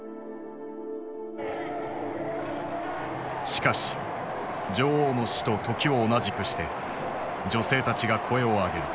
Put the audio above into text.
しかし女王の死と時を同じくして女性たちが声を上げる。